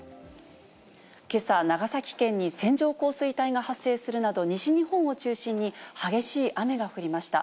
けさ、長崎県に線状降水帯が発生するなど、西日本を中心に激しい雨が降りました。